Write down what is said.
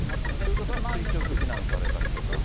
ということは垂直避難されたりとか。